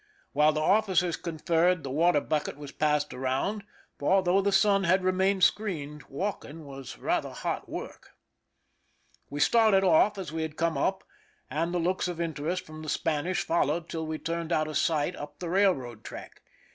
While the officers conferred, the water bucket was passed around ; for though the sun had remained screened, walking was rather hot work. We started off as we had come up, and the looks of interest from the Spanish followed till we turned out of sight up the railroad track.